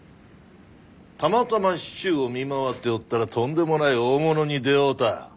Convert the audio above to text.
たまたま市中を見回っておったらとんでもない大物に出会うた。